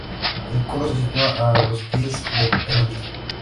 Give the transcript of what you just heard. El coro se sitúa a los pies, en alto.